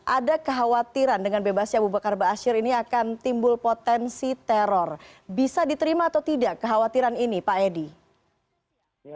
ada kekhawatiran dengan bebasnya abu bakar ⁇ baasyir ⁇ ini akan timbul potensi teror bisa diterima atau tidak kekhawatiran ini pak edi